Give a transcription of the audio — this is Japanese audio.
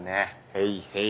へいへい。